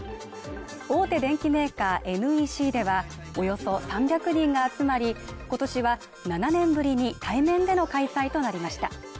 大手電機メーカーＮＥＣでは、およそ３００人が集まり、今年は７年ぶりに対面での開催となりました。